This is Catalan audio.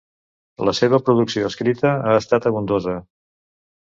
La seva producció escrita ha estat abundosa.